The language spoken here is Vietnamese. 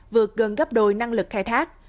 vượt gần gấp đôi năng lực khai thác